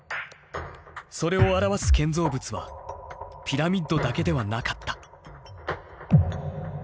それを表す建造物はピラミッドだけではなかった。